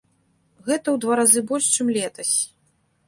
Гэта ў два разы больш, чым летась.